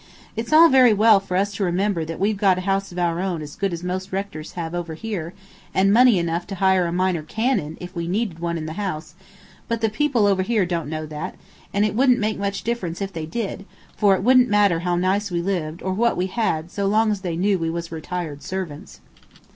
It's all very well for us to remember that we've got a house of our own as good as most rectors have over here, and money enough to hire a minor canon, if we needed one in the house; but the people over here don't know that, and it wouldn't make much difference if they did, for it wouldn't matter how nice we lived or what we had so long as they knew we was retired servants."